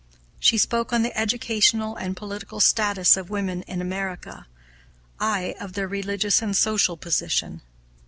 She spoke on the educational and political status of women in America, I of their religious and social position.